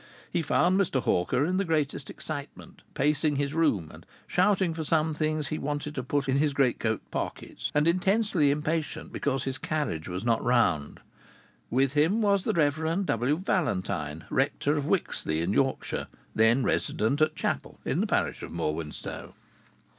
He found Mr. Hawker in the greatest excitement, pacing his room and shouting for some things he wanted to put in his greatcoat pockets, and intensely impatient because his carriage was not round. With him was the Rev. W. Valentine, rector of Whixley in Yorkshire, then resident at Chapel in the parish of Morwenstow.